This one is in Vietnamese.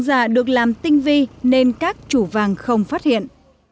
giả được làm tinh vi nên các chủ vàng không phát hiện